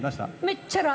めっちゃラ。